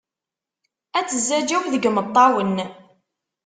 Ad tezzağğaw deg imeṭṭawen.